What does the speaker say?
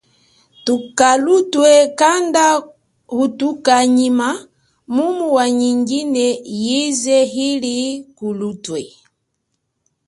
Tuka lutwe, kanda utuka nyima, mumu wanyingine yize ili kulutwe.